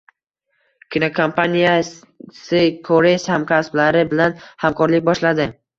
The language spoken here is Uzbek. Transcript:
Kinokompaniyasikoreys hamkasblari bilan hamkorlik boshladi